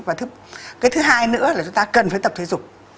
và cái thứ hai nữa là chúng ta cần phải tập thể dục